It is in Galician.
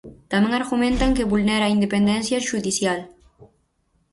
Tamén argumentan que vulnera a independencia xudicial.